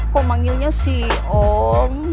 kok manggilnya si om